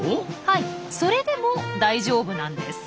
はいそれでも大丈夫なんです。